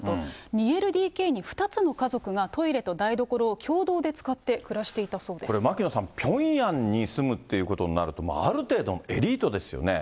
２ＬＤＫに２つの家族がトイレと台所を共同で使って暮らしていたこれ牧野さん、ピョンヤンに住むっていうことになるとある程度のエリートですよね。